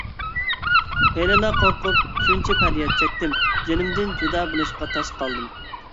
ھېلىلا قورقۇپ شۇنچە پەرياد چەكتىم، جېنىمدىن جۇدا بولۇشقا تاس قالدىم.